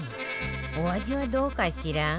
お味はどうかしら？